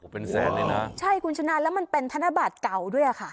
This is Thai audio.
เป็นแสนเลยนะใช่คุณชนะแล้วมันเป็นธนบัตรเก่าด้วยอ่ะค่ะ